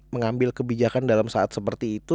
mengambil kebijakan dalam saat seperti itu